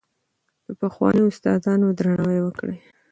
د پخوانیو استادانو درناوی وکړئ.